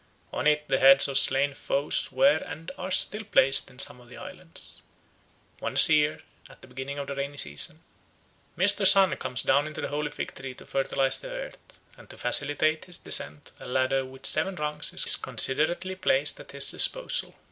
On it the heads of slain foes were and are still placed in some of the islands. Once a year, at the beginning of the rainy season, Mr. Sun comes down into the holy fig tree to fertilise the earth, and to facilitate his descent a ladder with seven rungs is considerately placed at his disposal.